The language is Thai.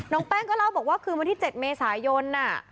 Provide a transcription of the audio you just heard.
แป้งก็เล่าบอกว่าคืนวันที่๗เมษายน